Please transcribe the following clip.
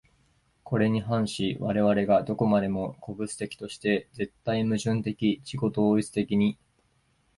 これに反し我々が何処までも個物的として、絶対矛盾的自己同一的に、